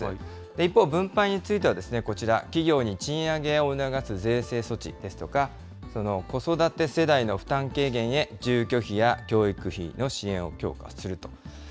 一方、分配についてはこちら、企業に賃上げを促す税制措置ですとか、子育て世代の負担軽減へ、住居費や教育費の支援を強化すると。